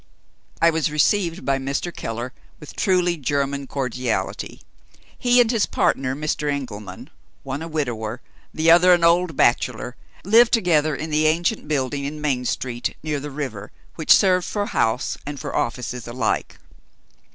I was received by Mr. Keller with truly German cordiality. He and his partner Mr. Engelman one a widower, the other an old bachelor lived together in the ancient building, in Main Street, near the river, which served for house and for offices alike.